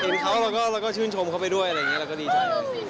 เราก็ชื่นชมเข้าไปด้วยเราก็ดีใจ